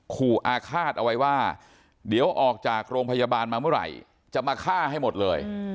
อาฆาตเอาไว้ว่าเดี๋ยวออกจากโรงพยาบาลมาเมื่อไหร่จะมาฆ่าให้หมดเลย